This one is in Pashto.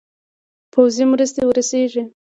پوځي مرستي ورسیږي.